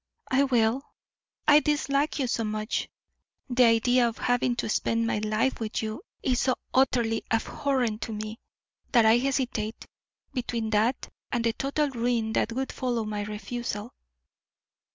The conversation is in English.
"I will. I dislike you so much. The idea of having to spend my life with you is so utterly abhorrent to me, that I hesitate between that and the total ruin that would follow my refusal."